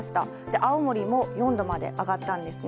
青森も４度まで上がったんですね。